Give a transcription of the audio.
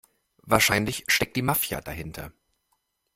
Wahrscheinlich steckt die Mafia dahinter.